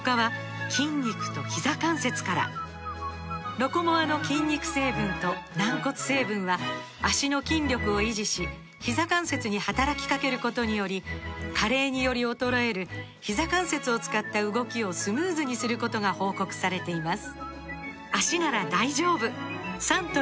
「ロコモア」の筋肉成分と軟骨成分は脚の筋力を維持しひざ関節に働きかけることにより加齢により衰えるひざ関節を使った動きをスムーズにすることが報告されています